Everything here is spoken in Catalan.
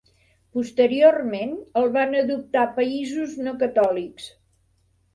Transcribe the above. Posteriorment, el van adoptar països no catòlics.